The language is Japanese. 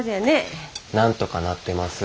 なんとかなってます。